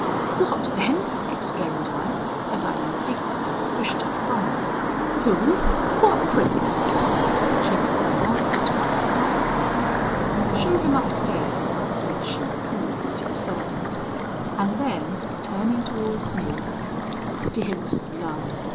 "'What then,' exclaimed I, as I indignantly pushed her from me, 'who? what prince?' "She made no answer to my enquiries. "'Show him upstairs,' said she coolly to the servant; and then turning towards me, 'Dearest love!